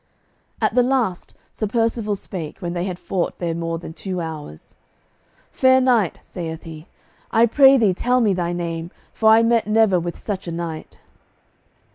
At the last Sir Percivale spake, when they had fought there more than two hours: "Fair knight," saith he, "I pray thee tell me thy name, for I met never with such a knight."